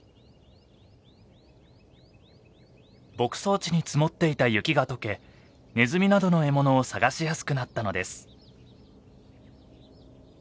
牧草地に積もっていた雪がとけネズミなどの獲物を探しやすくなったのです。